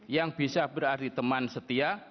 yang bisa berarti teman setia